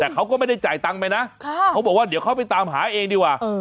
แต่เขาก็ไม่ได้จ่ายตังค์ไปนะเขาบอกว่าเดี๋ยวเขาไปตามหาเองดีกว่า